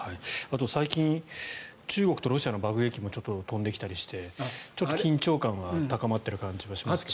最近、中国とロシアの爆撃機もちょっと飛んできたりして緊張感が高まっている感じがしますね。